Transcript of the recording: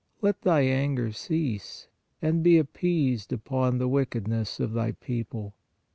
... Let Thy anger cease, and be appeased upon the wicked ness of Thy people.